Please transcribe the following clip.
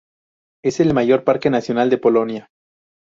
Es el mayor parque nacional de Polonia.